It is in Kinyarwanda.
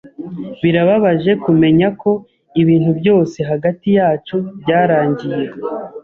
Birababaje kumenya ko ibintu byose hagati yacu byarangiye.